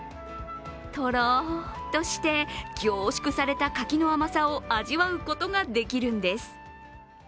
とろっとして、凝縮された柿の甘さを味わうことができるんです。